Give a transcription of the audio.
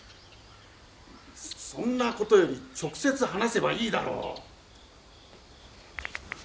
そんなことより直接話せばいいだろ。